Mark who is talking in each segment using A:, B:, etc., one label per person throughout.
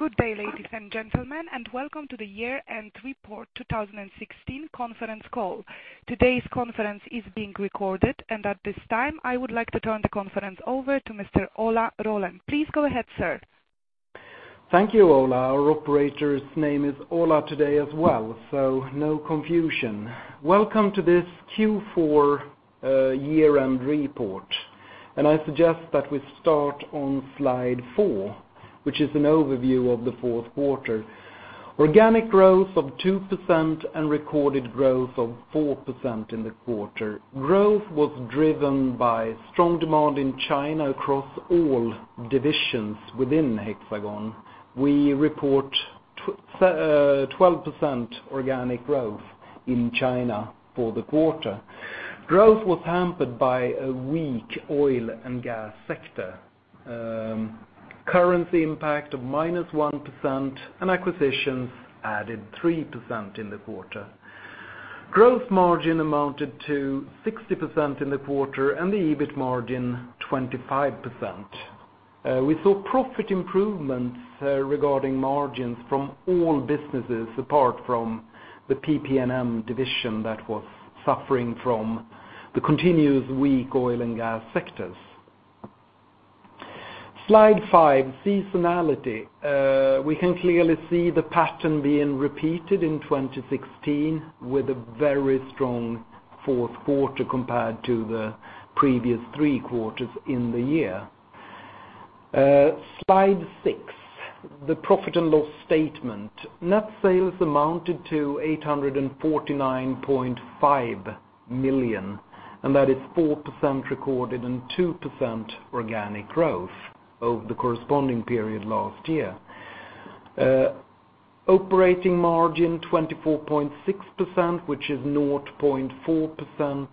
A: Good day, ladies and gentlemen, welcome to the year-end report 2016 conference call. Today's conference is being recorded. At this time, I would like to turn the conference over to Mr. Ola Rollén. Please go ahead, sir.
B: Thank you, Ola. Our operator's name is Ola today as well, so no confusion. Welcome to this Q4 year-end report. I suggest that we start on slide four, which is an overview of the fourth quarter. Organic growth of 2% and recorded growth of 4% in the quarter. Growth was driven by strong demand in China across all divisions within Hexagon. We report 12% organic growth in China for the quarter. Growth was hampered by a weak oil and gas sector. Currency impact of minus 1%. Acquisitions added 3% in the quarter. Gross margin amounted to 60% in the quarter and the EBIT margin 25%. We saw profit improvements regarding margins from all businesses apart from the PP&M division that was suffering from the continuous weak oil and gas sectors. Slide five, seasonality. We can clearly see the pattern being repeated in 2016 with a very strong fourth quarter compared to the previous three quarters in the year. Slide six, the profit and loss statement. Net sales amounted to 849.5 million. That is 4% recorded and 2% organic growth over the corresponding period last year. Operating margin 24.6%, which is 0.4%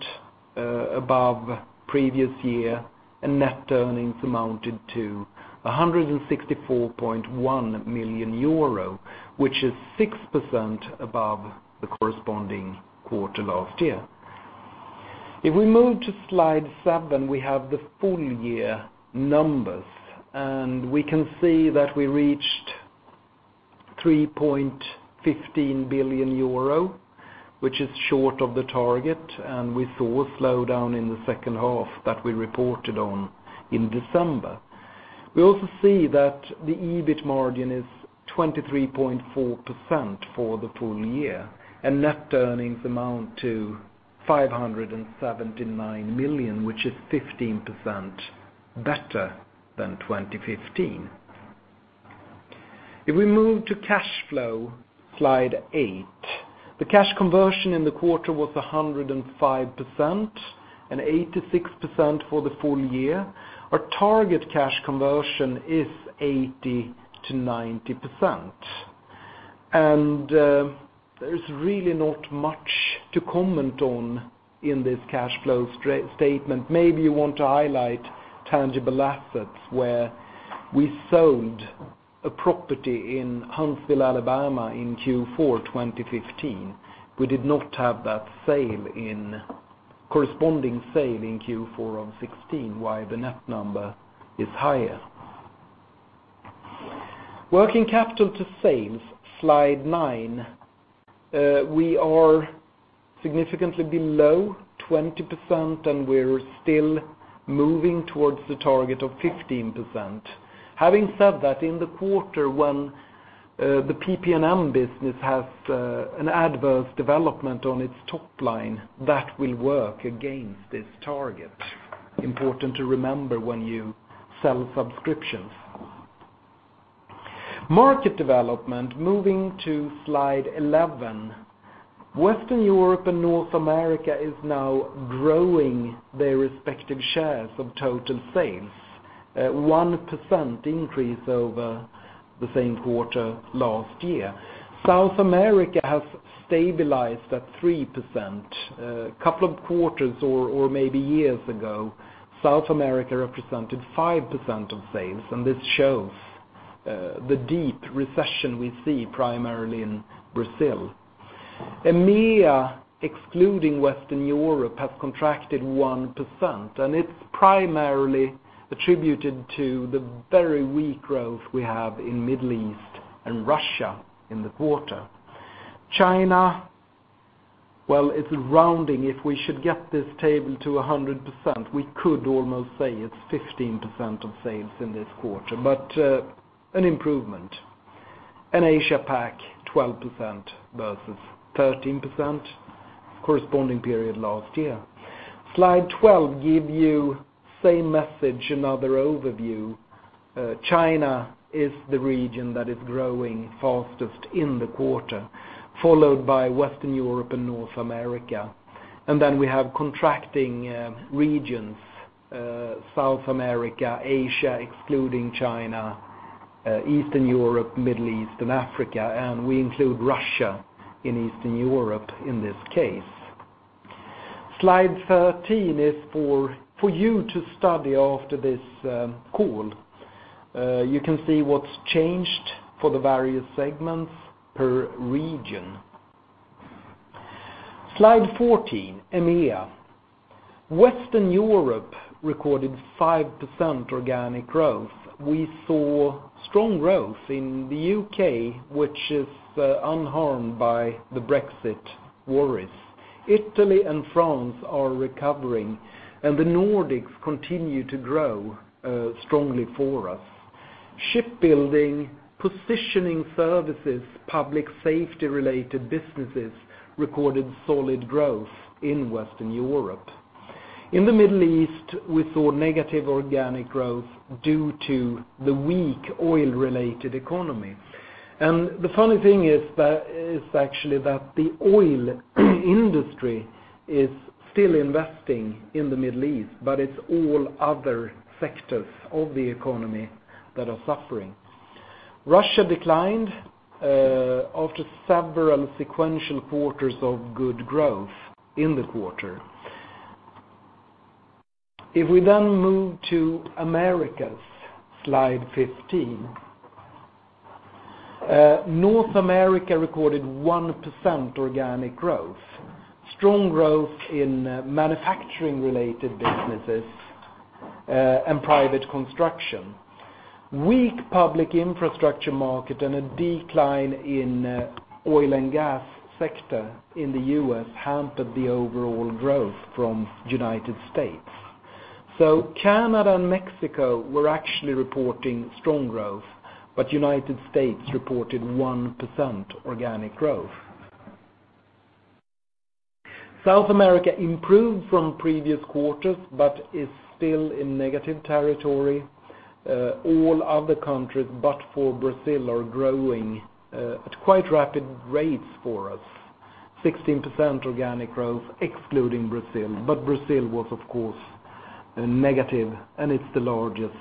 B: above the previous year. Net earnings amounted to 164.1 million euro, which is 6% above the corresponding quarter last year. If we move to slide seven, we have the full-year numbers. We can see that we reached 3.15 billion euro, which is short of the target. We saw a slowdown in the second half that we reported on in December. We also see that the EBIT margin is 23.4% for the full year. Net earnings amount to 579 million, which is 15% better than 2015. If we move to cash flow, slide eight. The cash conversion in the quarter was 105% and 86% for the full year. Our target cash conversion is 80%-90%. There's really not much to comment on in this cash flow statement. Maybe you want to highlight tangible assets where we sold a property in Huntsville, Alabama in Q4 2015. We did not have that corresponding sale in Q4 of 2016, why the net number is higher. Working capital to sales, slide nine. We are significantly below 20%. We're still moving towards the target of 15%. Having said that, in the quarter, when the PP&M business has an adverse development on its top line, that will work against this target. Important to remember when you sell subscriptions. Market development, moving to slide 11. Western Europe and North America is now growing their respective shares of total sales, 1% increase over the same quarter last year. South America has stabilized at 3%. A couple of quarters or maybe years ago, South America represented 5% of sales, and this shows the deep recession we see primarily in Brazil. EMEA, excluding Western Europe, has contracted 1%, and it's primarily attributed to the very weak growth we have in Middle East and Russia in the quarter. China, well, it's rounding. If we should get this table to 100%, we could almost say it's 15% of sales in this quarter, but an improvement. Asia PAC, 12% versus 13% corresponding period last year. Slide 12 give you same message, another overview. China is the region that is growing fastest in the quarter, followed by Western Europe and North America. Then we have contracting regions, South America, Asia, excluding China, Eastern Europe, Middle East, and Africa. We include Russia in Eastern Europe in this case. Slide 13 is for you to study after this call. You can see what's changed for the various segments per region. Slide 14, EMEA. Western Europe recorded 5% organic growth. We saw strong growth in the U.K., which is unharmed by the Brexit worries. Italy and France are recovering, and the Nordics continue to grow strongly for us. Shipbuilding, positioning services, public safety-related businesses recorded solid growth in Western Europe. In the Middle East, we saw negative organic growth due to the weak oil-related economy. The funny thing is actually that the oil industry is still investing in the Middle East, but it's all other sectors of the economy that are suffering. Russia declined after several sequential quarters of good growth in the quarter. Then we move to Americas, slide 15. North America recorded 1% organic growth, strong growth in manufacturing-related businesses, and private construction. Weak public infrastructure market and a decline in oil and gas sector in the U.S. hampered the overall growth from United States. Canada and Mexico were actually reporting strong growth, but United States reported 1% organic growth. South America improved from previous quarters, but is still in negative territory. All other countries, but for Brazil, are growing at quite rapid rates for us, 16% organic growth excluding Brazil. Brazil was, of course, negative, and it's the largest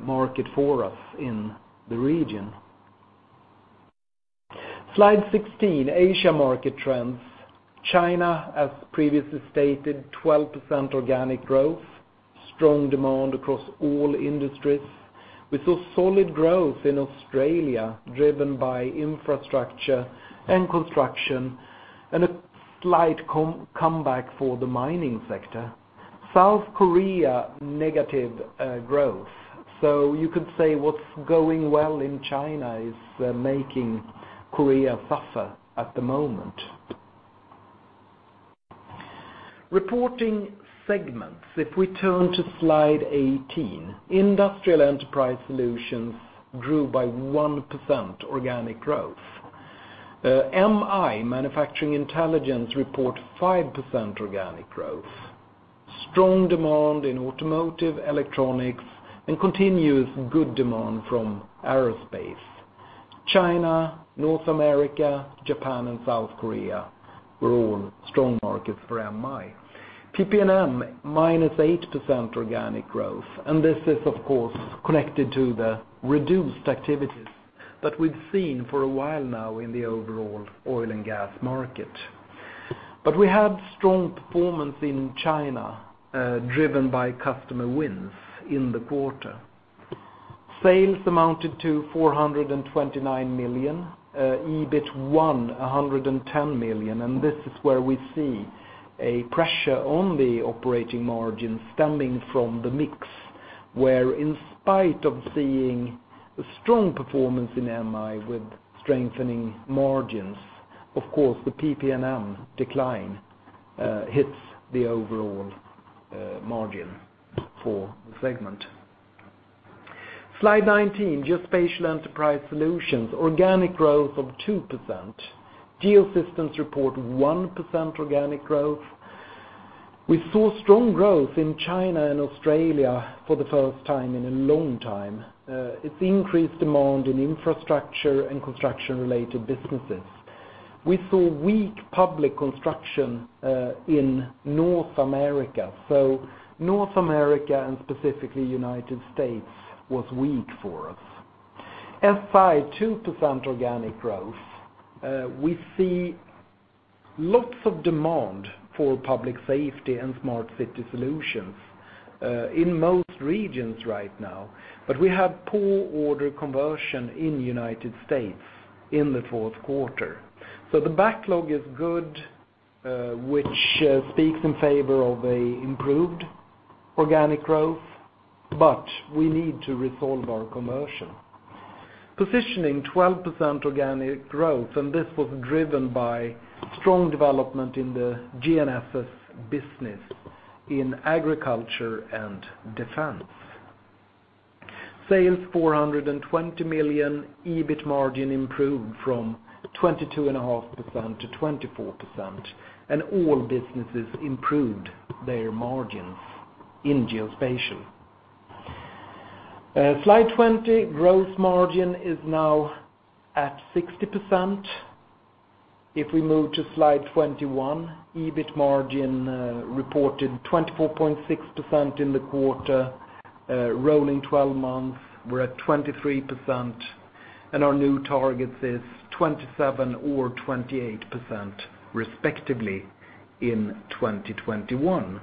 B: market for us in the region. Slide 16, Asia market trends. China, as previously stated, 12% organic growth, strong demand across all industries. We saw solid growth in Australia, driven by infrastructure and construction, and a slight comeback for the mining sector. South Korea, negative growth. You could say what's going well in China is making Korea suffer at the moment. Reporting segments, if we turn to slide 18, Industrial Enterprise Solutions grew by 1% organic growth. MI, Manufacturing Intelligence, report 5% organic growth, strong demand in automotive electronics, and continuous good demand from aerospace. China, North America, Japan, and South Korea were all strong markets for MI. PP&M, minus 8% organic growth, this is, of course, connected to the reduced activities that we've seen for a while now in the overall oil and gas market. We had strong performance in China, driven by customer wins in the quarter. Sales amounted to 429 million, EBIT, 110 million. This is where we see a pressure on the operating margin stemming from the mix, where in spite of seeing a strong performance in MI with strengthening margins, of course, the PP&M decline hits the overall margin for the segment. Slide 19, Geospatial Enterprise Solutions, organic growth of 2%. Geosystems report 1% organic growth. We saw strong growth in China and Australia for the first time in a long time. It's increased demand in infrastructure and construction-related businesses. We saw weak public construction in North America. North America and specifically U.S. was weak for us. SI, 2% organic growth. We see lots of demand for public safety and smart city solutions, in most regions right now. We have poor order conversion in U.S. in the fourth quarter. The backlog is good, which speaks in favor of an improved organic growth. We need to resolve our conversion. Positioning, 12% organic growth. This was driven by strong development in the GNSS business in agriculture and defense. Sales 420 million, EBIT margin improved from 22.5% to 24%. All businesses improved their margins in Geospatial. Slide 20, gross margin is now at 60%. If we move to slide 21, EBIT margin reported 24.6% in the quarter. Rolling 12 months, we're at 23%. Our new target is 27% or 28%, respectively, in 2021.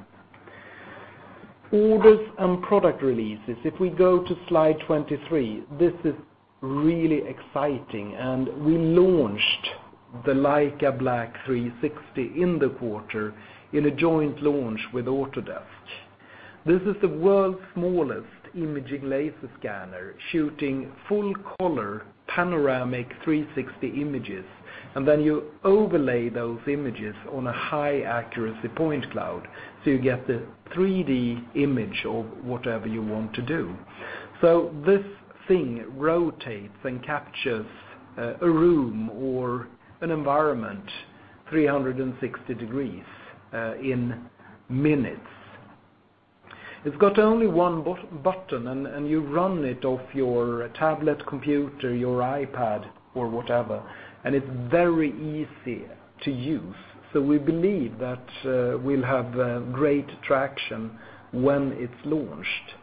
B: Orders and product releases. If we go to slide 23, this is really exciting. We launched the Leica BLK360 in the quarter, in a joint launch with Autodesk. This is the world's smallest imaging laser scanner, shooting full-color, panoramic 360 images. You overlay those images on a high-accuracy point cloud, so you get the 3D image of whatever you want to do. This thing rotates and captures a room or an environment 360 degrees in minutes. It's got only one button. You run it off your tablet computer, your iPad or whatever. It's very easy to use. We believe that we'll have great traction when it's launched.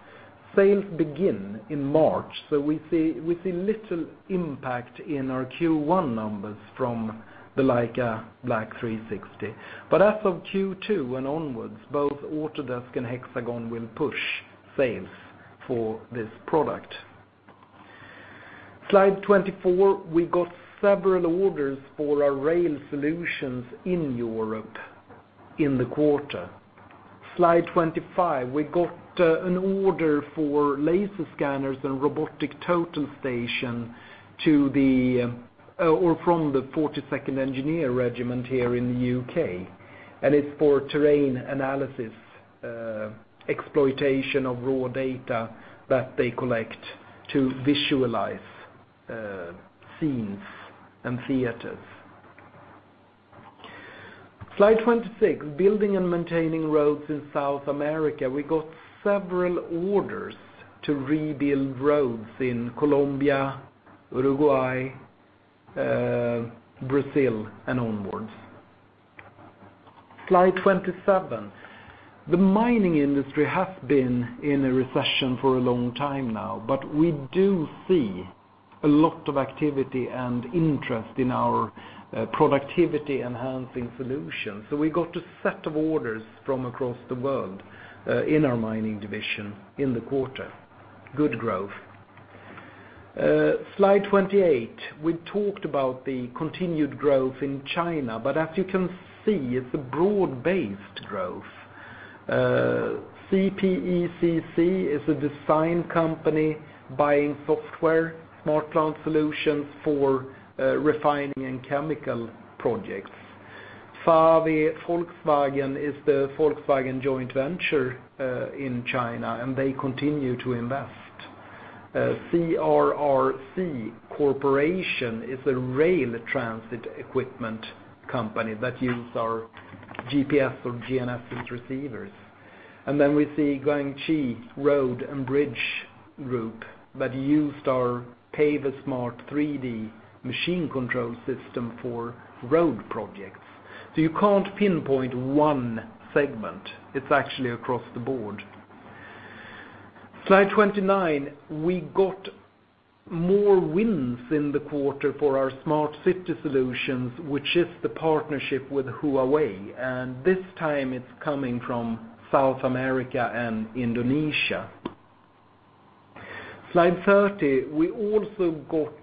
B: Sales begin in March. We see little impact in our Q1 numbers from the Leica BLK360. As of Q2 and onwards, both Autodesk and Hexagon will push sales for this product. Slide 24, we got several orders for our rail solutions in Europe in the quarter. Slide 25, we got an order for laser scanners and robotic total station from the 42 Engineer Regiment here in the U.K. It's for terrain analysis, exploitation of raw data that they collect to visualize scenes and theaters. Slide 26, building and maintaining roads in South America. We got several orders to rebuild roads in Colombia, Uruguay, Brazil, and onwards. Slide 27. The mining industry has been in a recession for a long time now. We do see a lot of activity and interest in our productivity-enhancing solutions. We got a set of orders from across the world, in our mining division in the quarter. Good growth. Slide 28. We talked about the continued growth in China. As you can see, it's a broad-based growth. CPECC is a design company buying software, SmartPlant solutions for refining and chemical projects. FAW-Volkswagen is the Volkswagen joint venture in China. They continue to invest. CRRC Corporation is a rail transit equipment company that use our GPS or GNSS receivers. We see Guangxi Road and Bridge Group that used our PaveSmart 3D machine control system for road projects. You can't pinpoint one segment. It's actually across the board. Slide 29, we got more wins in the quarter for our smart city solutions, which is the partnership with Huawei, and this time it's coming from South America and Indonesia. Slide 30, we also got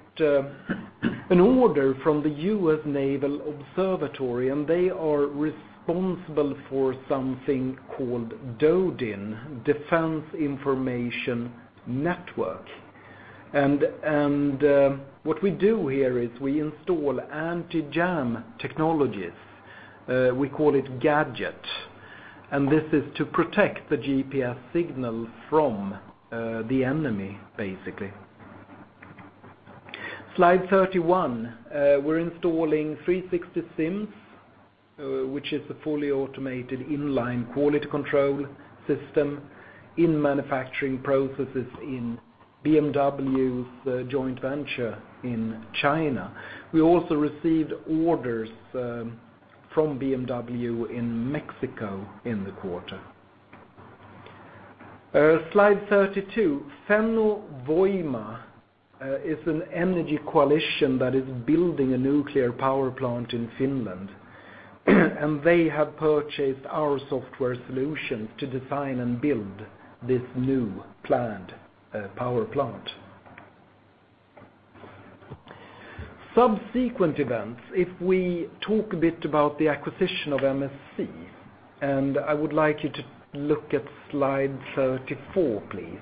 B: an order from the U.S. Naval Observatory, and they are responsible for something called DoDIN, Defense Information Network. What we do here is we install anti-jam technologies. We call it GAJT, and this is to protect the GPS signal from the enemy, basically. Slide 31, we're installing 360° SIMS, which is the fully automated in-line quality control system in manufacturing processes in BMW's joint venture in China. We also received orders from BMW in Mexico in the quarter. Slide 32. Fennovoima is an energy coalition that is building a nuclear power plant in Finland, They have purchased our software solutions to design and build this new planned power plant. Subsequent events, if we talk a bit about the acquisition of MSC, I would like you to look at slide 34, please.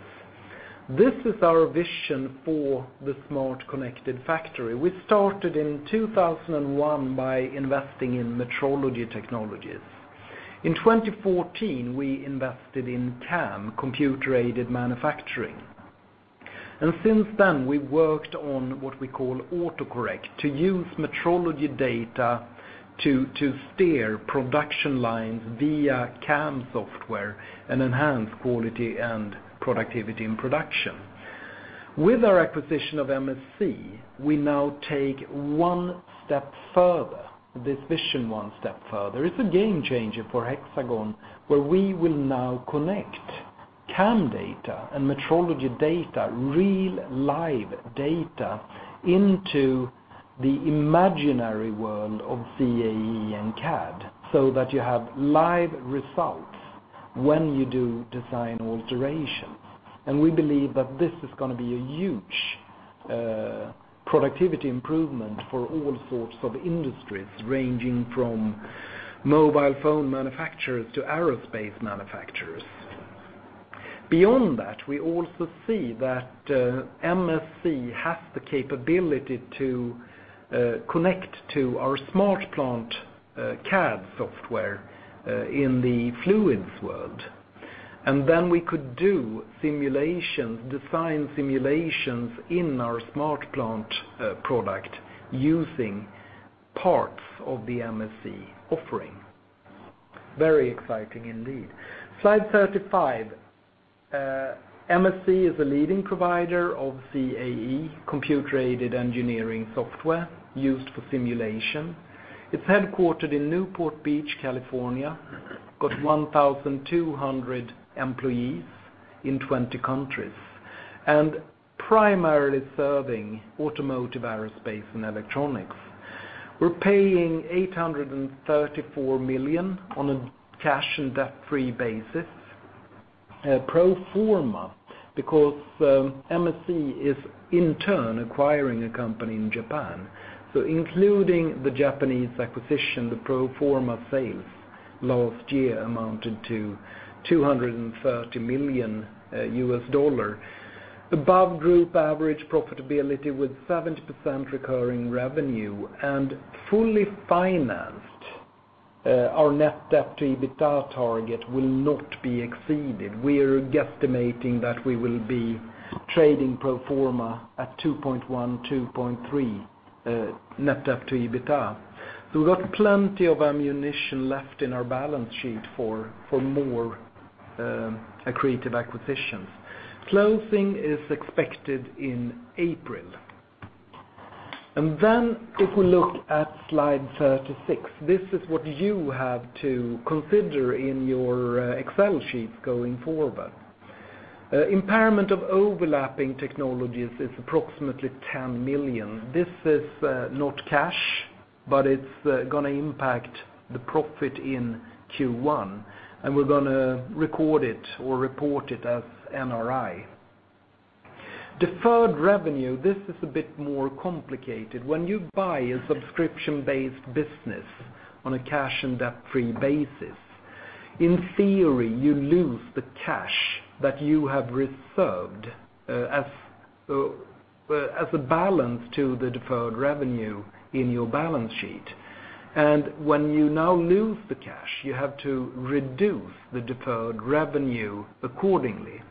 B: This is our vision for the Smart Connected Factory. We started in 2001 by investing in metrology technologies. In 2014, we invested in CAM, computer-aided manufacturing. Since then, we've worked on what we call autocorrect to use metrology data to steer production lines via CAM software and enhance quality and productivity in production. With our acquisition of MSC, we now take this vision one step further. It's a game changer for Hexagon, where we will now connect CAM data and metrology data, real live data, into the imaginary world of CAE and CAD, so that you have live results when you do design alterations. We believe that this is going to be a huge productivity improvement for all sorts of industries, ranging from mobile phone manufacturers to aerospace manufacturers. Beyond that, we also see that MSC has the capability to connect to our SmartPlant CAD software in the fluids world. We could do design simulations in our SmartPlant product using parts of the MSC offering. Very exciting indeed. Slide 35. MSC is a leading provider of CAE, computer-aided engineering software, used for simulation. It's headquartered in Newport Beach, California. Got 1,200 employees in 20 countries, and primarily serving automotive, aerospace, and electronics. We're paying 834 million on a cash and debt-free basis pro forma, because MSC is in turn acquiring a company in Japan. Including the Japanese acquisition, the pro forma sales last year amounted to $230 million. Above group average profitability with 70% recurring revenue. Fully financed, our net debt to EBITDA target will not be exceeded. We are guesstimating that we will be trading pro forma at 2.1-2.3 net debt to EBITDA. We got plenty of ammunition left in our balance sheet for more accretive acquisitions. Closing is expected in April. If we look at slide 36, this is what you have to consider in your Excel sheets going forward. Impairment of overlapping technologies is approximately 10 million. This is not cash, but it's going to impact the profit in Q1, and we're going to record it or report it as NRI. Deferred revenue. This is a bit more complicated. When you buy a subscription-based business on a cash and debt-free basis, in theory, you lose the cash that you have reserved as a balance to the deferred revenue in your balance sheet. When you now lose the cash, you have to reduce the deferred revenue accordingly.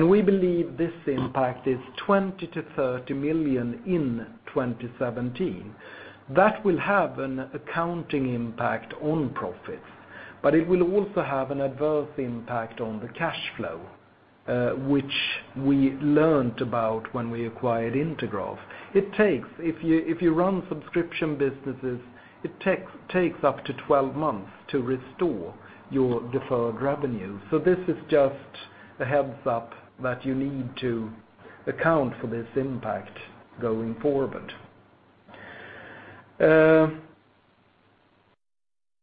B: We believe this impact is 20 to 30 million in 2017. That will have an accounting impact on profits, but it will also have an adverse impact on the cash flow, which we learned about when we acquired Intergraph. If you run subscription businesses, it takes up to 12 months to restore your deferred revenue. This is just a heads-up that you need to account for this impact going forward.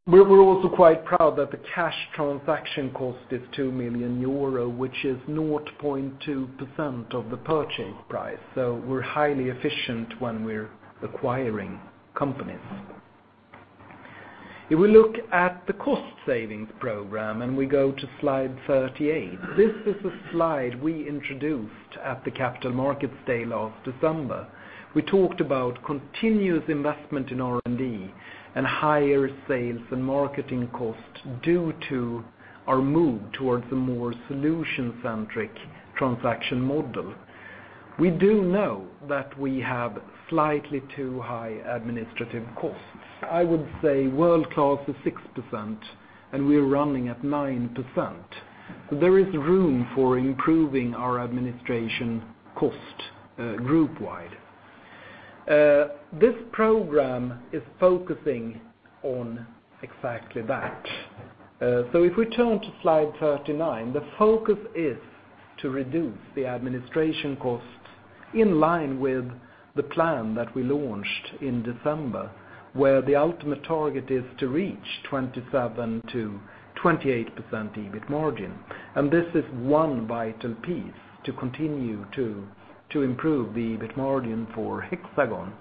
B: We're also quite proud that the cash transaction cost is 2 million euro, which is 0.2% of the purchase price. We're highly efficient when we're acquiring companies. If we look at the cost savings program, we go to slide 38. This is a slide we introduced at the Capital Markets Day last December. We talked about continuous investment in R&D and higher sales and marketing costs due to our move towards a more solution-centric transaction model. We do know that we have slightly too high administrative costs. I would say world class is 6%, and we're running at 9%. There is room for improving our administration cost group wide. This program is focusing on exactly that. If we turn to slide 39, the focus is to reduce the administration costs in line with the plan that we launched in December, where the ultimate target is to reach 27%-28% EBIT margin. This is one vital piece to continue to improve the EBIT margin for Hexagon.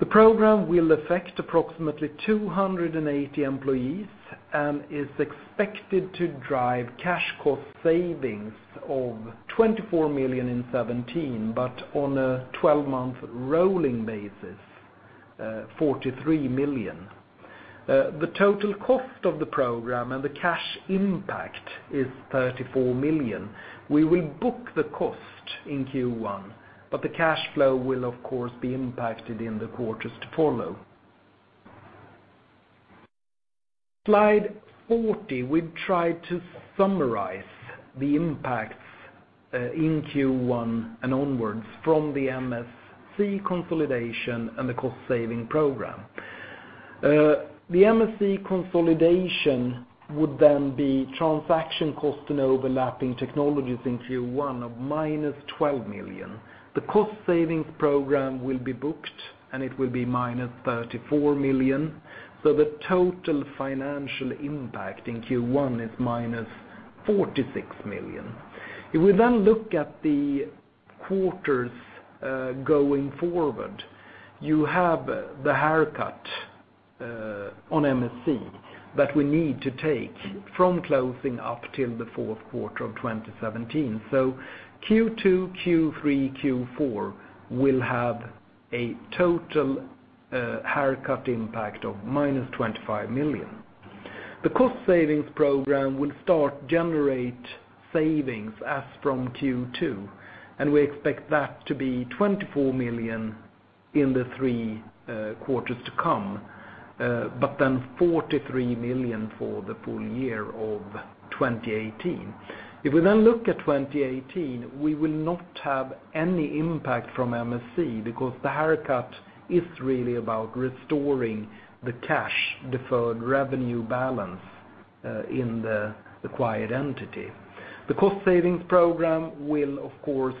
B: The program will affect approximately 280 employees and is expected to drive cash cost savings of 24 million in 2017, but on a 12-month rolling basis, 43 million. The total cost of the program and the cash impact is 34 million. We will book the cost in Q1, but the cash flow will of course be impacted in the quarters to follow. Slide 40, we've tried to summarize the impacts in Q1 and onwards from the MSC consolidation and the cost-saving program. The MSC consolidation would then be transaction cost and overlapping technologies in Q1 of -12 million. The cost savings program will be booked, and it will be -34 million. The total financial impact in Q1 is -46 million. If we look at the quarters going forward, you have the haircut on MSC that we need to take from closing up till the fourth quarter of 2017. Q2, Q3, Q4 will have a total haircut impact of -25 million. The cost savings program will start generate savings as from Q2, and we expect that to be 24 million in the three quarters to come, but then 43 million for the full year of 2018. If we look at 2018, we will not have any impact from MSC because the haircut is really about restoring the cash deferred revenue balance in the acquired entity. The cost savings program will, of course,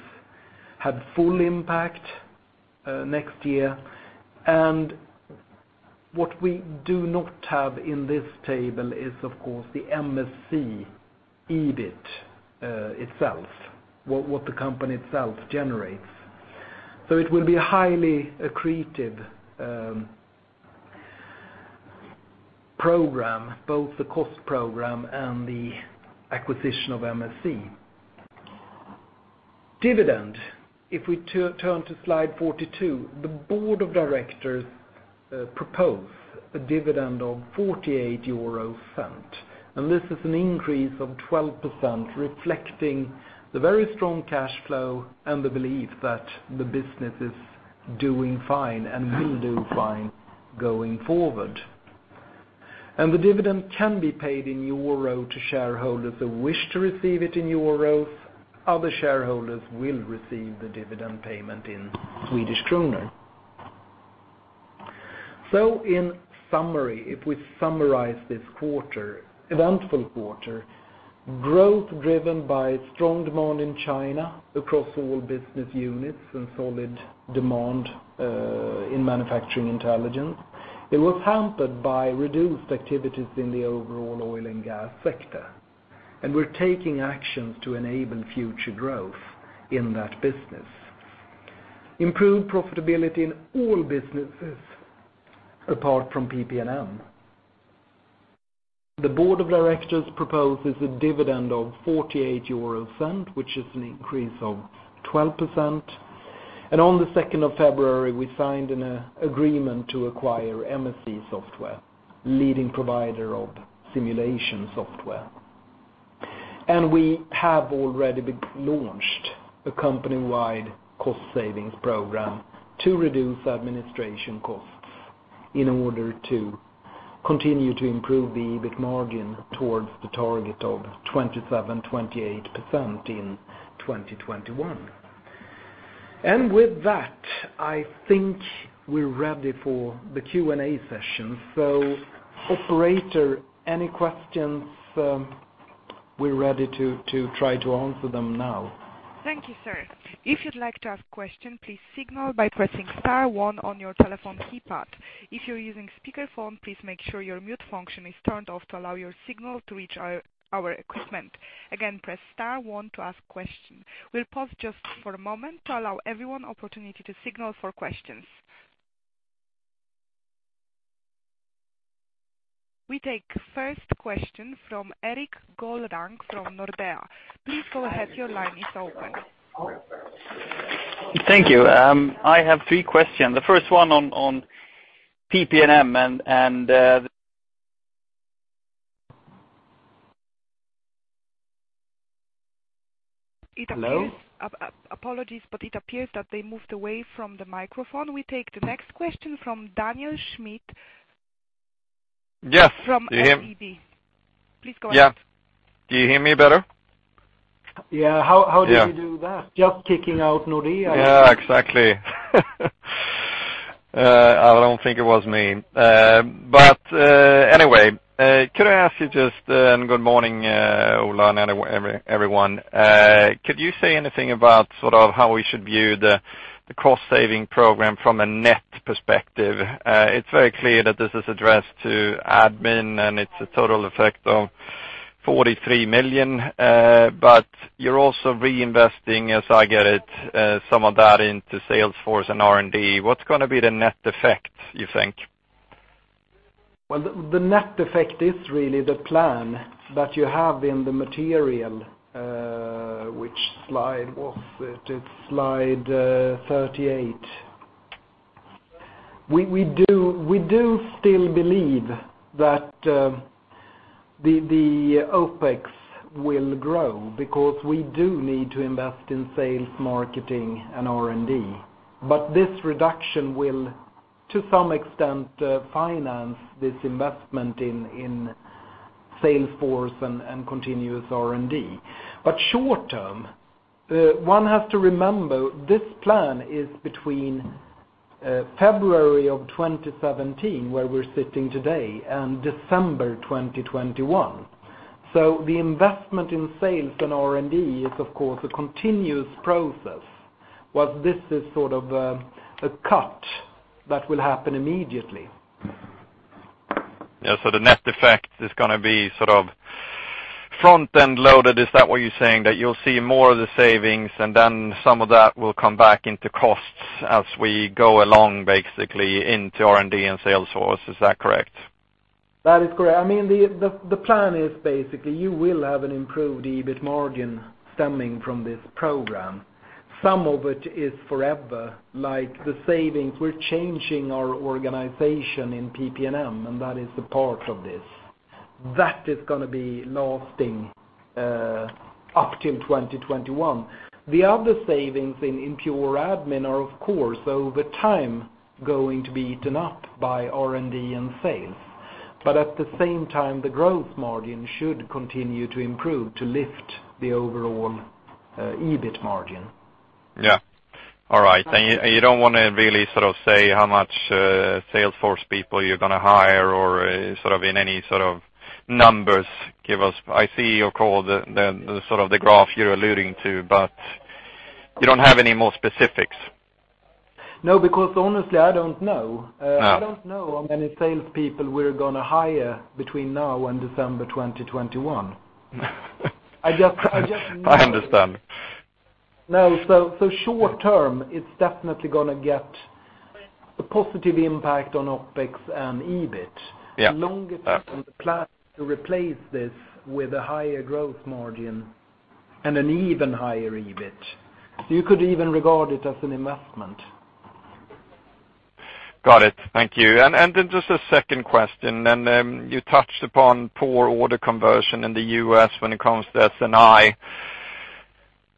B: have full impact next year. What we do not have in this table is, of course, the MSC EBIT itself, what the company itself generates. It will be a highly accretive program, both the cost program and the acquisition of MSC. Dividend. If we turn to slide 42, the board of directors propose a dividend of 0.48, this is an increase of 12%, reflecting the very strong cash flow and the belief that the business is doing fine and will do fine going forward. The dividend can be paid in EUR to shareholders who wish to receive it in EUR. Other shareholders will receive the dividend payment in SEK. In summary, if we summarize this eventful quarter, growth driven by strong demand in China across all business units and solid demand in Manufacturing Intelligence, it was hampered by reduced activities in the overall oil and gas sector. We're taking actions to enable future growth in that business. Improved profitability in all businesses apart from PP&M. The board of directors proposes a dividend of 0.48, which is an increase of 12%. On the 2nd of February, we signed an agreement to acquire MSC Software, leading provider of simulation software. We have already launched a company-wide cost savings program to reduce administration costs in order to continue to improve the EBIT margin towards the target of 27%-28% in 2021. With that, I think we're ready for the Q&A session. Operator, any questions, we're ready to try to answer them now.
A: Thank you, sir. If you'd like to ask a question, please signal by pressing star 1 on your telephone keypad. If you're using speakerphone, please make sure your mute function is turned off to allow your signal to reach our equipment. Again, press star 1 to ask a question. We'll pause just for a moment to allow everyone an opportunity to signal for questions. We take first question from Erik Golrang from Nordea. Please go ahead, your line is open.
C: Thank you. I have 3 questions. The first one on PP&M.
A: It appears-
C: Hello?
A: Apologies, but it appears that they moved away from the microphone. We take the next question from Daniel Djurberg-
D: Yes
A: from SEB. Please go ahead.
D: Yeah. Do you hear me better?
B: Yeah. How did you do that? Just kicking out Nordea.
D: Yeah, exactly. I don't think it was me. Anyway, could I ask you just, and good morning, Ola and everyone. Could you say anything about how we should view the cost saving program from a net perspective? It's very clear that this is addressed to admin, and it's a total effect of 43 million, you're also reinvesting, as I get it, some of that into sales force and R&D. What's going to be the net effect, you think?
B: Well, the net effect is really the plan that you have in the material. Which slide was it? It's slide 38. We do still believe that the OpEx will grow because we do need to invest in sales, marketing, and R&D. This reduction will, to some extent, finance this investment in sales force and continuous R&D. Short term, one has to remember this plan is between February of 2017, where we're sitting today, and December 2021. The investment in sales and R&D is, of course, a continuous process. While this is sort of a cut that will happen immediately.
D: Yeah. The net effect is going to be front-end loaded. Is that what you're saying? That you'll see more of the savings, and then some of that will come back into costs as we go along, basically, into R&D and sales force. Is that correct?
B: That is correct. The plan is basically you will have an improved EBIT margin stemming from this program. Some of it is forever, like the savings. We're changing our organization in PP&M, and that is the part of this. That is going to be lasting up till 2021. The other savings in pure admin are, of course, over time, going to be eaten up by R&D and sales. At the same time, the growth margin should continue to improve to lift the overall EBIT margin.
D: Yeah. All right. You don't want to really say how much sales force people you're going to hire or in any sort of numbers give us. I see your call, the graph you're alluding to, you don't have any more specifics?
B: No, because honestly, I don't know. I don't know how many salespeople we're going to hire between now and December 2021.
D: I understand.
B: No. Short term, it's definitely going to get a positive impact on OpEx and EBIT.
D: Yeah.
B: Longer term, the plan to replace this with a higher growth margin and an even higher EBIT. You could even regard it as an investment.
D: Got it. Thank you. Just a second question, you touched upon poor order conversion in the U.S. when it comes to SI.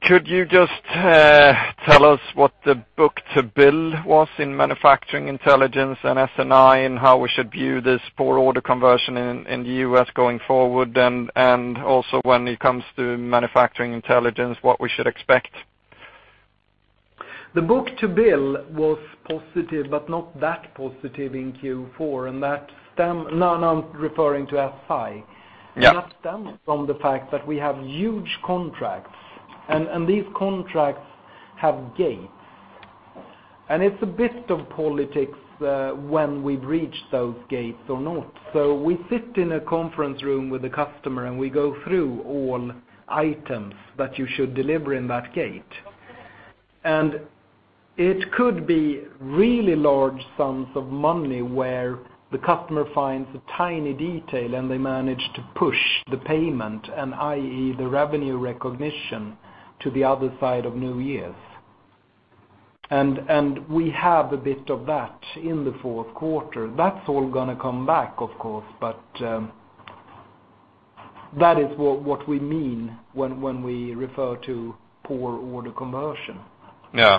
D: Could you just tell us what the book-to-bill was in Manufacturing Intelligence and SI, and how we should view this poor order conversion in the U.S. going forward, and also when it comes to Manufacturing Intelligence, what we should expect?
B: The book-to-bill was positive, but not that positive in Q4. Now I'm referring to SI.
D: Yeah.
B: That stems from the fact that we have huge contracts, and these contracts have gates. It's a bit of politics when we've reached those gates or not. We sit in a conference room with a customer, and we go through all items that you should deliver in that gate. It could be really large sums of money where the customer finds a tiny detail, and they manage to push the payment and, i.e., the revenue recognition to the other side of New Year's. We have a bit of that in the fourth quarter. That's all going to come back, of course. That is what we mean when we refer to poor order conversion.
D: Yeah.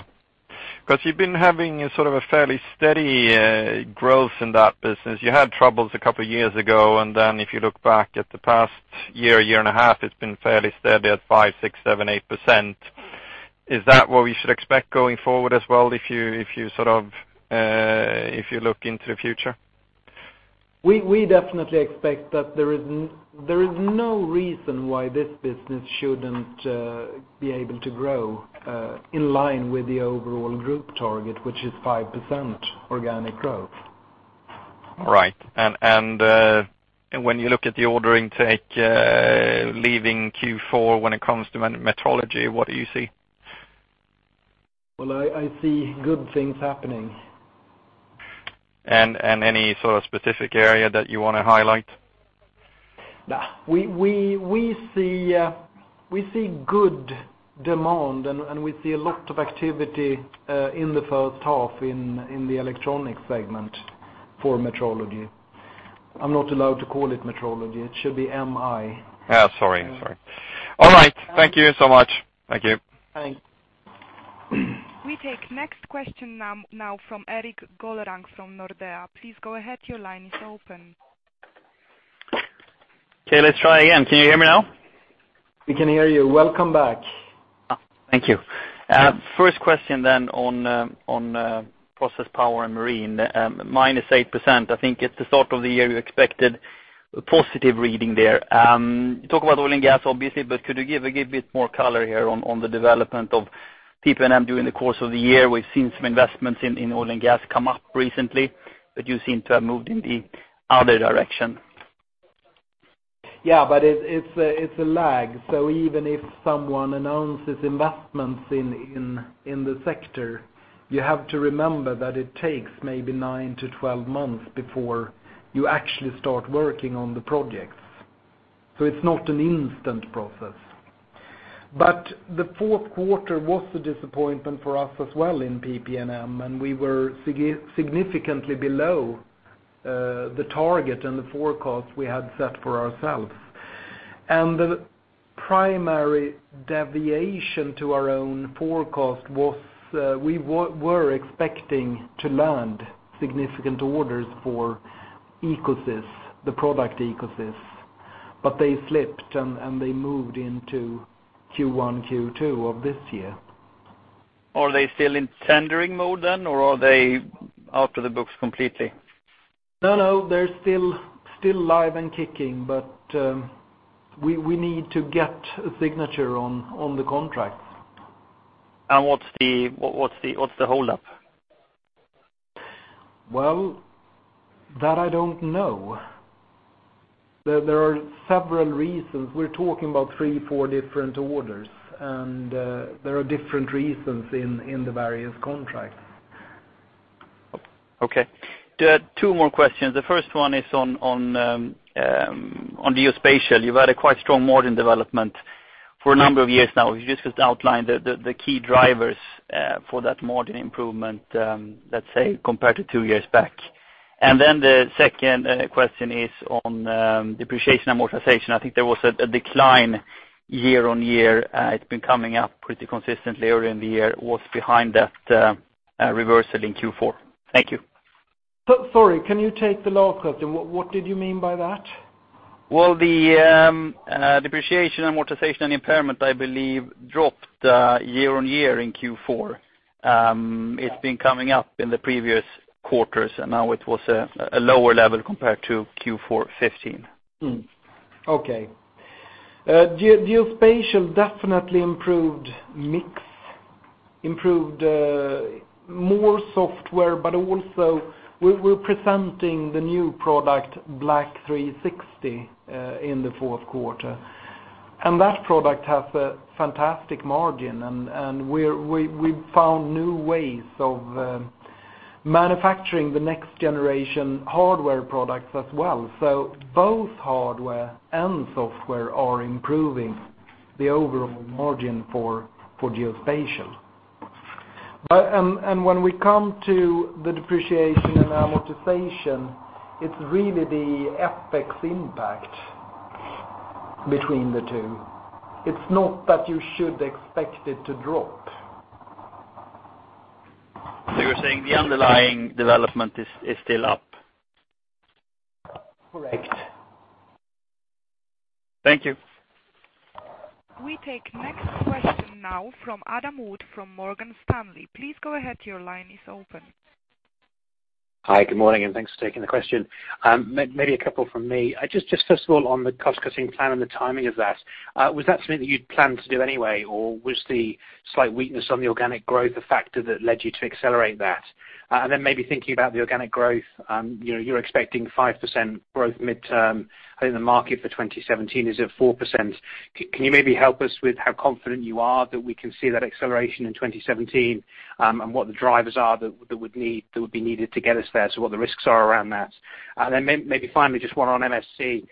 D: You've been having sort of a fairly steady growth in that business. You had troubles a couple of years ago, and then if you look back at the past year and a half, it's been fairly steady at 5, 6, 7, 8%. Is that what we should expect going forward as well if you look into the future?
B: We definitely expect that there is no reason why this business shouldn't be able to grow in line with the overall group target, which is 5% organic growth.
D: Right. When you look at the order intake leaving Q4 when it comes to metrology, what do you see?
B: Well, I see good things happening.
D: Any sort of specific area that you want to highlight?
B: We see good demand, and we see a lot of activity in the first half in the electronic segment for metrology. I'm not allowed to call it metrology. It should be MI.
D: Sorry. All right. Thank you so much. Thank you.
B: Thanks.
A: We take next question now from Erik Golrang from Nordea. Please go ahead. Your line is open.
C: Okay, let's try again. Can you hear me now?
B: We can hear you. Welcome back.
C: Thank you. First question on Process, Power & Marine, minus 8%. I think at the start of the year, you expected a positive reading there. You talk about oil and gas, obviously, but could you give a bit more color here on the development of PP&M during the course of the year? We've seen some investments in oil and gas come up recently, but you seem to have moved in the other direction.
B: Yeah, it's a lag. Even if someone announces investments in the sector, you have to remember that it takes maybe 9-12 months before you actually start working on the projects. It's not an instant process. The fourth quarter was a disappointment for us as well in PP&M, and we were significantly below the target and the forecast we had set for ourselves. The primary deviation to our own forecast was we were expecting to land significant orders for the product EcoSys, but they slipped, and they moved into Q1, Q2 of this year.
C: Are they still in tendering mode then, or are they out of the books completely?
B: No, they're still live and kicking, but we need to get a signature on the contracts.
C: What's the hold-up?
B: That I don't know. There are several reasons. We're talking about three, four different orders, and there are different reasons in the various contracts.
C: Two more questions. The first one is on Geospatial. You've had a quite strong margin development for a number of years now. If you just could outline the key drivers for that margin improvement, let's say, compared to two years back. The second question is on depreciation amortization. I think there was a decline year-over-year. It's been coming up pretty consistently earlier in the year. What's behind that reversal in Q4? Thank you.
B: Sorry, can you take the last question? What did you mean by that?
C: Well, the depreciation and amortization impairment, I believe, dropped year-on-year in Q4. It's been coming up in the previous quarters, and now it was a lower level compared to Q4 2015.
B: Okay. Geospatial definitely improved mix, improved more software, but also we're presenting the new product, Leica BLK360, in the fourth quarter. That product has a fantastic margin, we found new ways of manufacturing the next generation hardware products as well. Both hardware and software are improving the overall margin for Geospatial. When we come to the depreciation and amortization, it's really the FX impact between the two. It's not that you should expect it to drop.
C: You're saying the underlying development is still up?
B: Correct.
C: Thank you.
A: We take next question now from Adam Wood, from Morgan Stanley. Please go ahead, your line is open.
E: Hi, good morning, thanks for taking the question. Maybe a couple from me. First of all, on the cost-cutting plan and the timing of that, was that something that you'd planned to do anyway, or was the slight weakness on the organic growth a factor that led you to accelerate that? Then maybe thinking about the organic growth, you're expecting 5% growth midterm. I think the market for 2017 is at 4%. Can you maybe help us with how confident you are that we can see that acceleration in 2017, what the drivers are that would be needed to get us there, so what the risks are around that? Then maybe finally, just one on MSC.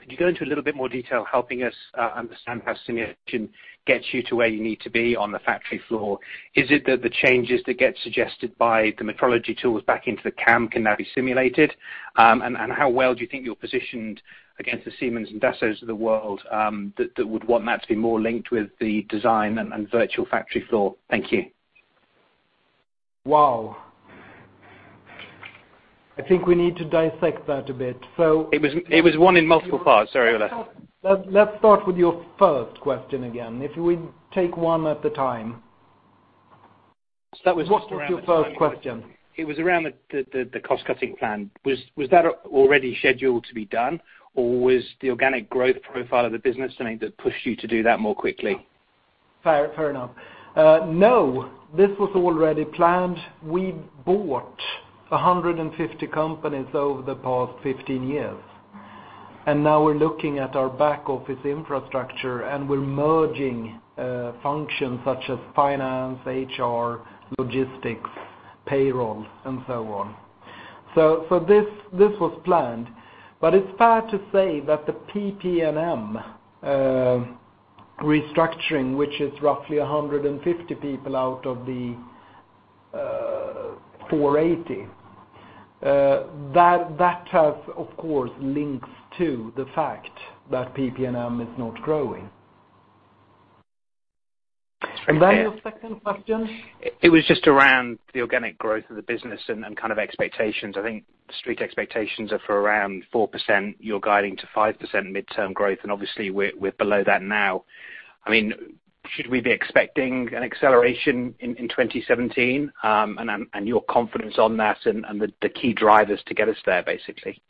E: Could you go into a little bit more detail helping us understand how simulation gets you to where you need to be on the factory floor? Is it that the changes that get suggested by the metrology tools back into the CAM can now be simulated? How well do you think you're positioned against the Siemens and Dassaults of the world, that would want that to be more linked with the design and virtual factory floor? Thank you.
B: Wow. I think we need to dissect that a bit.
E: It was one in multiple parts. Sorry about that.
B: Let's start with your first question again, if we take one at a time. What was your first question?
E: It was around the cost-cutting plan. Was that already scheduled to be done, or was the organic growth profile of the business something that pushed you to do that more quickly?
B: Fair enough. No, this was already planned. We bought 150 companies over the past 15 years, and now we're looking at our back office infrastructure and we're merging functions such as finance, HR, logistics, payroll, and so on. This was planned, but it's fair to say that the PP&M restructuring, which is roughly 150 people out of the 480, that has, of course, links to the fact that PP&M is not growing. Then your second question?
E: It was just around the organic growth of the business and kind of expectations. I think street expectations are for around 4%. You're guiding to 5% midterm growth, obviously we're below that now. Should we be expecting an acceleration in 2017, and your confidence on that and the key drivers to get us there, basically?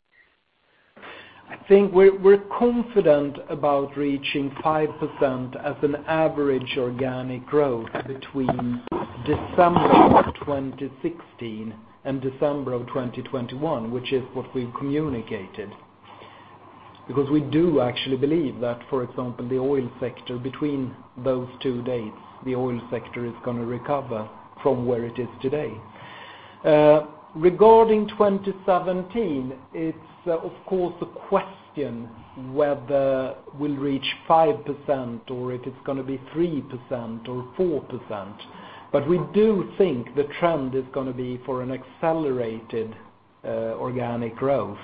B: I think we're confident about reaching 5% as an average organic growth between December 2016 and December of 2021, which is what we've communicated. We do actually believe that, for example, the oil sector between those two dates, the oil sector is going to recover from where it is today. Regarding 2017, it's of course a question whether we'll reach 5% or if it's going to be 3% or 4%. We do think the trend is going to be for an accelerated organic growth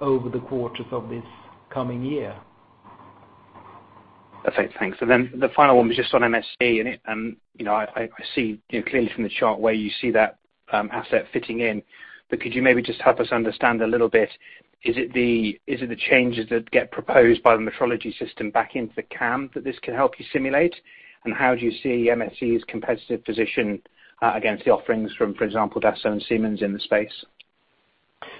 B: over the quarters of this coming year.
E: Perfect, thanks. The final one was just on MSC, I see clearly from the chart where you see that asset fitting in. Could you maybe just help us understand a little bit, is it the changes that get proposed by the metrology system back into the CAM that this can help you simulate? How do you see MSC's competitive position against the offerings from, for example, Dassault and Siemens in the space?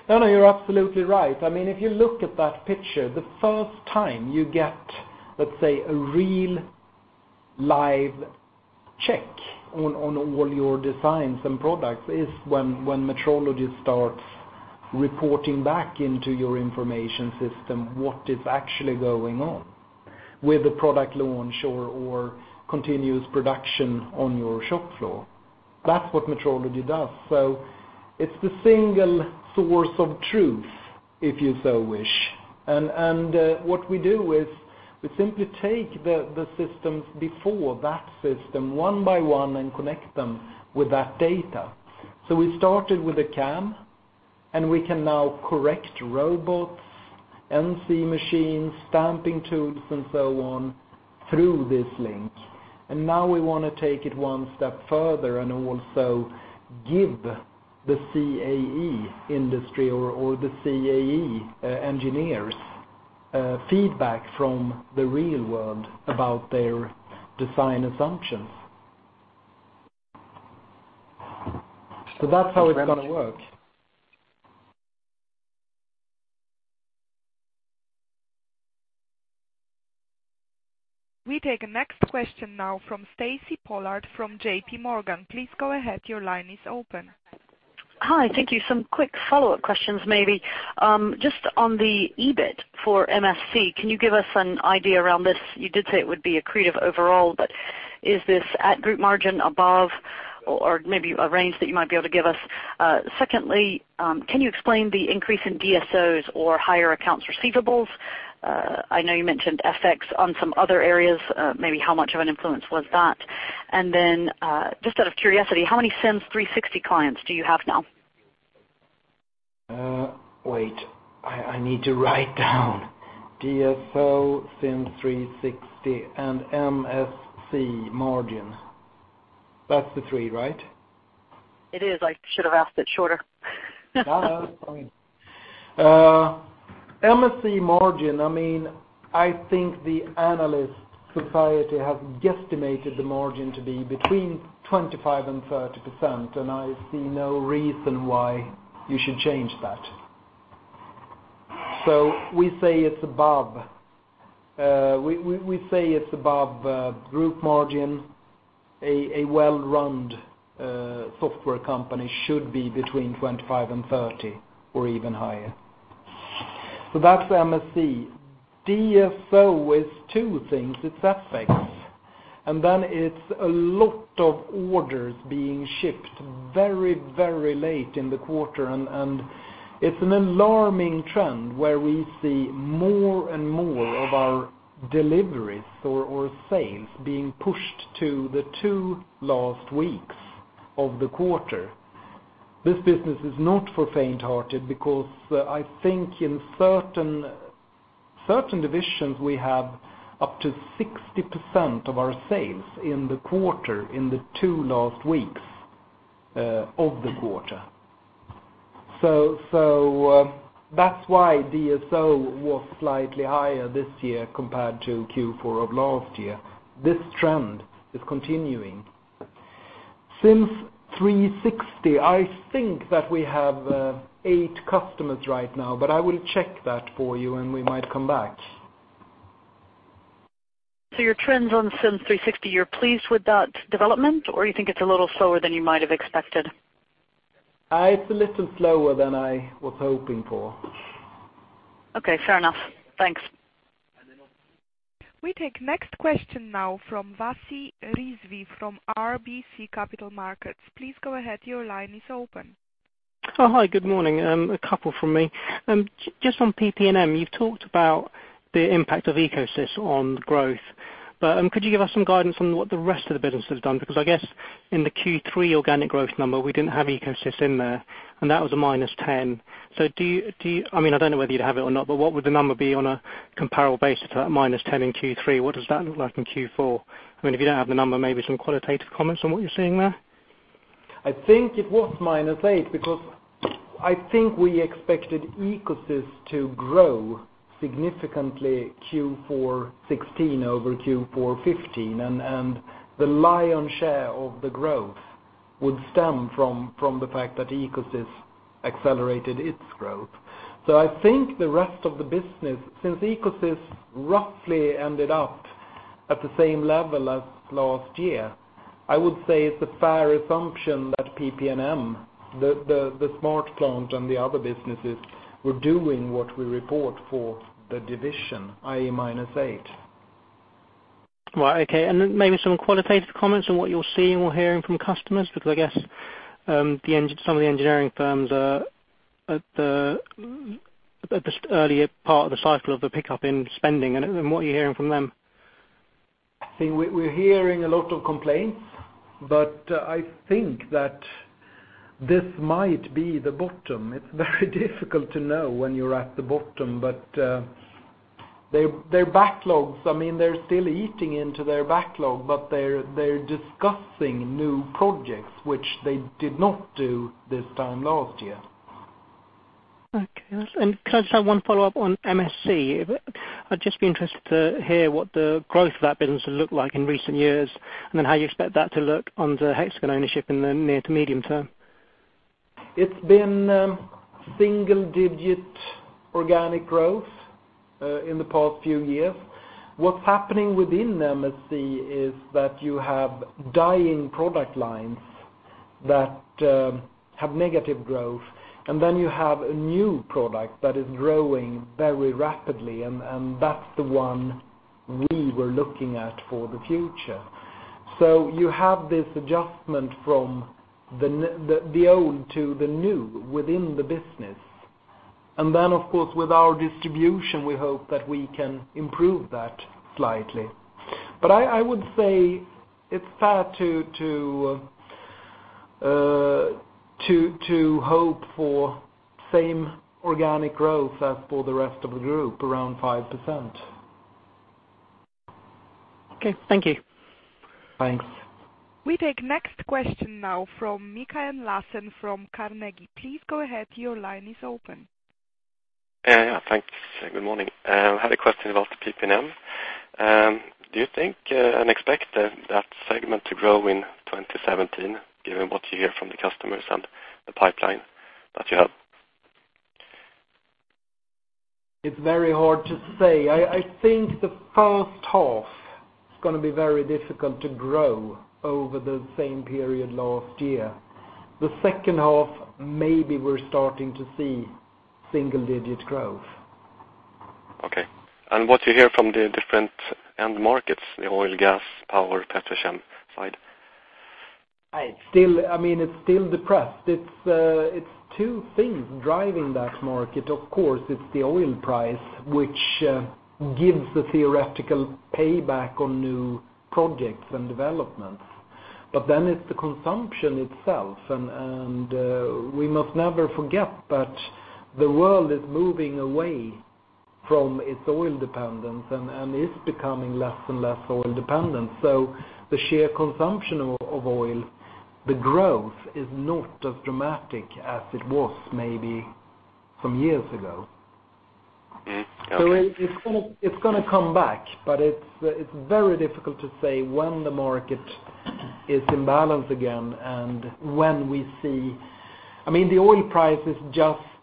B: You're absolutely right. If you look at that picture, the first time you get, let's say, a real live check on all your designs and products is when metrology starts reporting back into your information system what is actually going on with the product launch or continuous production on your shop floor. That's what metrology does. It's the single source of truth, if you so wish. What we do is we simply take the systems before that system one by one and connect them with that data. We started with a CAM, we can now correct robots, NC machines, stamping tools, and so on through this link. Now we want to take it one step further and also give the CAE industry or the CAE engineers feedback from the real world about their design assumptions. That's how it's going to work.
A: We take the next question now from Stacy Pollard from J.P. Morgan. Please go ahead. Your line is open.
F: Hi. Thank you. Some quick follow-up questions maybe. Just on the EBIT for MSC, can you give us an idea around this? You did say it would be accretive overall, but is this at group margin above or maybe a range that you might be able to give us? Can you explain the increase in DSOs or higher accounts receivables? I know you mentioned FX on some other areas. Maybe how much of an influence was that? Just out of curiosity, how many 360° SIMS clients do you have now?
B: Wait. I need to write down. DSO, SIM 360, and MSC margin. That's the three, right?
F: It is. I should have asked it shorter.
B: No. It's fine. MSC margin, I think the analyst society has guesstimated the margin to be between 25% and 30%, and I see no reason why you should change that. We say it's above group margin. A well-run software company should be between 25% and 30% or even higher. That's MSC. DSO is two things. It's FX, and then it's a lot of orders being shipped very late in the quarter, and it's an alarming trend where we see more and more of our deliveries or sales being pushed to the two last weeks of the quarter. This business is not for faint-hearted because I think in certain divisions, we have up to 60% of our sales in the quarter in the two last weeks of the quarter. That's why DSO was slightly higher this year compared to Q4 of last year. This trend is continuing. 360° SIMS, I think that we have eight customers right now, but I will check that for you, and we might come back.
F: Your trends on 360° SIMS, you're pleased with that development, or you think it's a little slower than you might have expected?
B: It's a little slower than I was hoping for.
F: Okay, fair enough. Thanks.
A: We take next question now from Wasi Rizvi from RBC Capital Markets. Please go ahead. Your line is open.
G: Hi. Good morning. A couple from me. Just on PP&M, you've talked about the impact of EcoSys on growth, Could you give us some guidance on what the rest of the business has done? I guess in the Q3 organic growth number, we didn't have EcoSys in there, and that was a -10%. I don't know whether you'd have it or not, What would the number be on a comparable basis at -10% in Q3? What does that look like in Q4? If you don't have the number, maybe some qualitative comments on what you're seeing there.
B: I think it was -8%. I think we expected EcoSys to grow significantly Q4 2016 over Q4 2015, The lion's share of the growth would stem from the fact that EcoSys accelerated its growth. I think the rest of the business, since EcoSys roughly ended up at the same level as last year, I would say it's a fair assumption that PP&M, the SmartPlant, and the other businesses were doing what we report for the division, i.e., -8%.
G: Right. Okay. Then maybe some qualitative comments on what you're seeing or hearing from customers, because I guess some of the engineering firms are at the earlier part of the cycle of the pickup in spending, and what are you hearing from them?
B: I think we're hearing a lot of complaints, I think that this might be the bottom. It's very difficult to know when you're at the bottom, but their backlogs, they're still eating into their backlog, but they're discussing new projects, which they did not do this time last year.
G: Okay. Could I just have one follow-up on MSC? I'd just be interested to hear what the growth of that business had looked like in recent years, then how you expect that to look under Hexagon ownership in the near to medium term.
B: It's been single-digit organic growth in the past few years. What's happening within MSC is that you have dying product lines that have negative growth, then you have a new product that is growing very rapidly, and that's the one we were looking at for the future. You have this adjustment from the old to the new within the business. Then, of course, with our distribution, we hope that we can improve that slightly. I would say it's fair to hope for same organic growth as for the rest of the group, around 5%.
G: Okay. Thank you.
B: Thanks.
A: We take next question now from Mikael Laséen from Carnegie. Please go ahead, your line is open.
H: Yeah. Thanks. Good morning. I had a question about the PP&M. Do you think and expect that segment to grow in 2017 given what you hear from the customers and the pipeline that you have?
B: It's very hard to say. I think the first half is going to be very difficult to grow over the same period last year. The second half, maybe we're starting to see single-digit growth.
H: Okay. What do you hear from the different end markets, the oil, gas, power, petroleum side?
B: It's still depressed. It's two things driving that market. Of course, it's the oil price, which gives the theoretical payback on new projects and developments. It's the consumption itself, and we must never forget that the world is moving away from its oil dependence and is becoming less and less oil dependent. The sheer consumption of oil, the growth is not as dramatic as it was maybe some years ago.
H: Okay.
B: It's going to come back, but it's very difficult to say when the market is in balance again.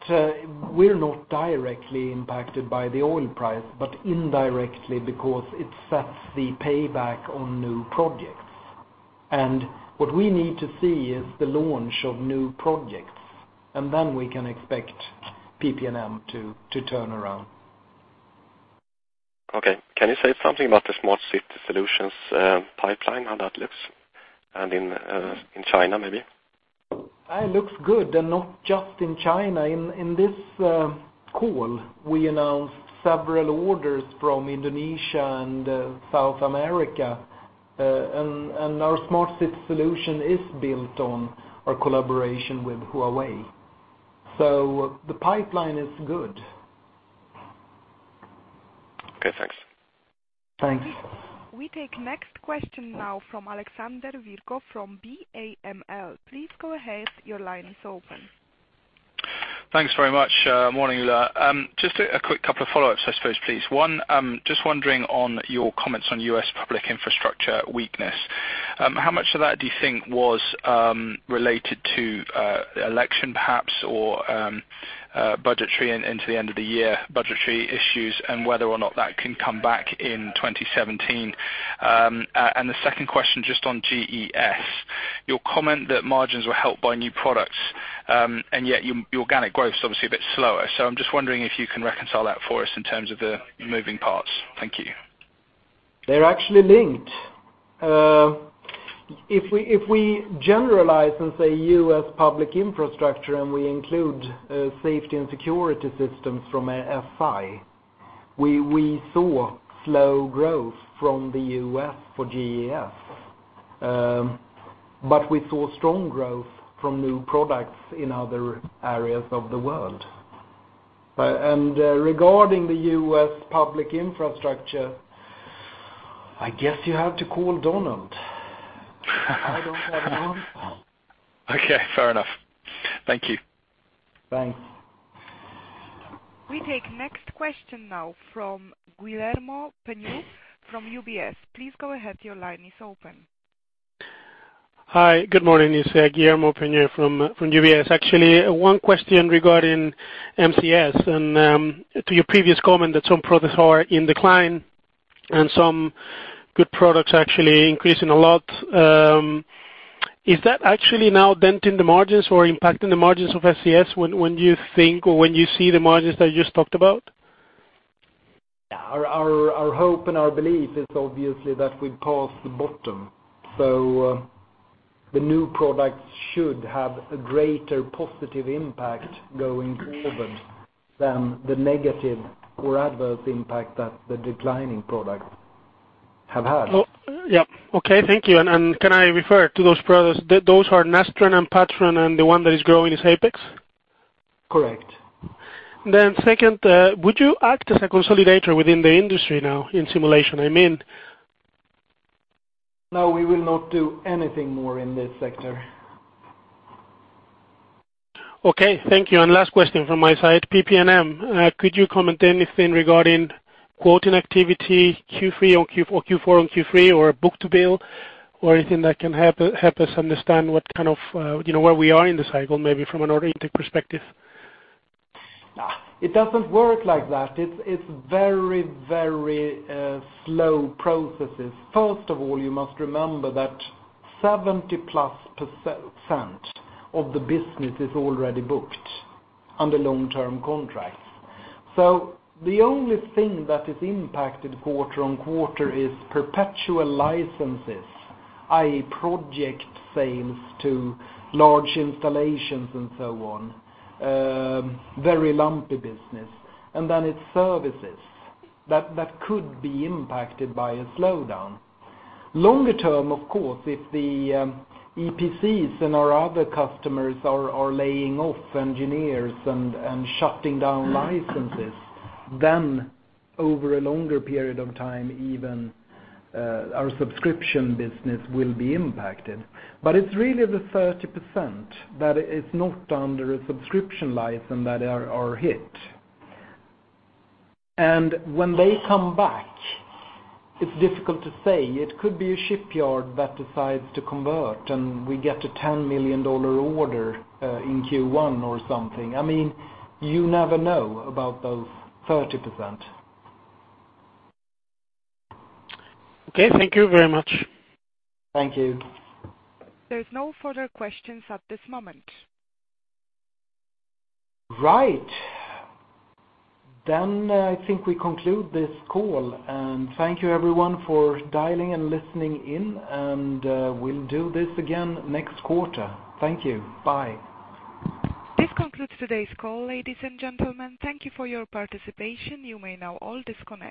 B: We're not directly impacted by the oil price, but indirectly because it sets the payback on new projects. What we need to see is the launch of new projects, and then we can expect PP&M to turn around.
H: Okay. Can you say something about the smart city solutions pipeline, how that looks? In China, maybe?
B: It looks good. Not just in China. In this call, we announced several orders from Indonesia and South America. Our smart city solution is built on our collaboration with Huawei. The pipeline is good.
H: Okay, thanks.
B: Thanks.
A: We take next question now from Alexander Virgo from BAML. Please go ahead, your line is open.
I: Thanks very much. Morning, Ola. Just a quick couple of follow-ups, I suppose, please. One, just wondering on your comments on U.S. public infrastructure weakness. How much of that do you think was related to the election, perhaps, or budgetary into the end of the year, budgetary issues, and whether or not that can come back in 2017? The second question, just on GES. Your comment that margins were helped by new products, yet your organic growth is obviously a bit slower. I'm just wondering if you can reconcile that for us in terms of the moving parts. Thank you.
B: They're actually linked. If we generalize and say U.S. public infrastructure, and we include safety and security systems from SI, we saw slow growth from the U.S. for GES. We saw strong growth from new products in other areas of the world. Regarding the U.S. public infrastructure, I guess you have to call Donald. I don't have an answer.
I: Okay, fair enough. Thank you.
B: Thanks.
A: We take next question now from Guillermo Pena from UBS. Please go ahead, your line is open.
J: Hi. Good morning. It's Guillermo Pena from UBS. Actually, one question regarding MSC. To your previous comment that some products are in decline and some good products are actually increasing a lot. Is that actually now denting the margins or impacting the margins of MSC when you think or when you see the margins that you just talked about?
B: Our hope and our belief is obviously that we've passed the bottom. The new products should have a greater positive impact going forward than the negative or adverse impact that the declining products have had.
J: Yeah. Okay, thank you. Can I refer to those products? Those are Nastran and Patran, and the one that is growing is Apex?
B: Correct.
J: Second, would you act as a consolidator within the industry now in simulation? I mean-
B: No, we will not do anything more in this sector.
J: Okay, thank you. Last question from my side, PP&M, could you comment anything regarding quoting activity Q3 or Q4 on Q3, or book-to-bill, or anything that can help us understand where we are in the cycle, maybe from an order intake perspective?
B: It doesn't work like that. It's very slow processes. First of all, you must remember that 70-plus% of the business is already booked under long-term contracts. The only thing that is impacted quarter-on-quarter is perpetual licenses, i.e., project sales to large installations and so on. Very lumpy business. Then it's services that could be impacted by a slowdown. Longer term, of course, if the EPCs and our other customers are laying off engineers and shutting down licenses, then over a longer period of time, even our subscription business will be impacted. It's really the 30% that is not under a subscription license that are hit. When they come back, it's difficult to say. It could be a shipyard that decides to convert, and we get a EUR 10 million order in Q1 or something. You never know about those 30%.
J: Okay. Thank you very much.
B: Thank you.
A: There's no further questions at this moment.
B: Right. I think we conclude this call. Thank you everyone for dialing and listening in. We'll do this again next quarter. Thank you. Bye.
A: This concludes today's call, ladies and gentlemen. Thank you for your participation. You may now all disconnect.